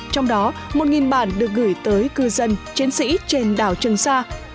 trong đó một bản được gửi tới cư dân chiến sĩ trên đảo trường sa